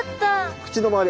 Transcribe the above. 口の周り